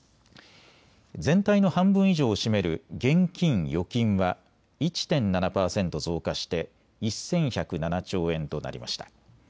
全体の半分以上を占める現金・預金は１．７％増加して１１０７兆円となりました。